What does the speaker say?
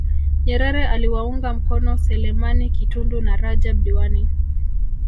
Nyerere aliwaunga mkono Selemani Kitundu na Rajab Diwani